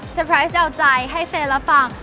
เซอร์ไพรส์เอาใจให้เฟย์และฟัง